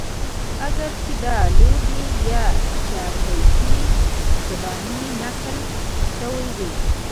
اګر چې دا لوبې يا چاربيتې زباني نقل شوي دي